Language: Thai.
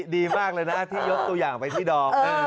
ดีมากเลยนะที่ยกตัวอย่างไปที่ดอม